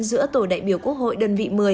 giữa tổ đại biểu quốc hội đơn vị một mươi